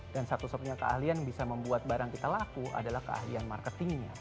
dan satu satunya keahlian yang bisa membuat barang kita laku adalah keahlian marketingnya